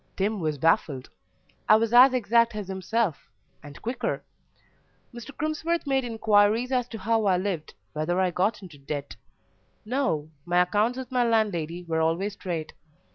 Tim was baffled; I was as exact as himself, and quicker. Mr. Crimsworth made inquiries as to how I lived, whether I got into debt no, my accounts with my landlady were always straight.